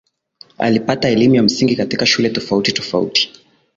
Alipata elimu ya msingi katika shule tofauti tofati